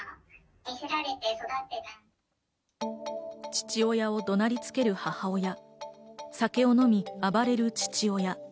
父親を怒鳴りつける母親、酒を飲み暴れる父親。